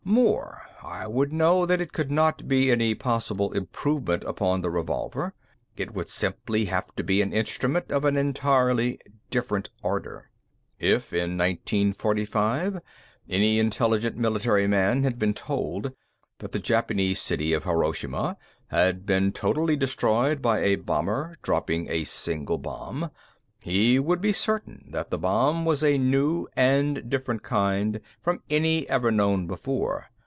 More, I would know that it could not be any possible improvement upon the revolver. It simply would have to be an instrument of an entirely different order. "If, in 1945, any intelligent military man had been told that the Japanese city of Hiroshima had been totally destroyed by a bomber dropping a single bomb, he would be certain that the bomb was a new and different kind from any ever known before.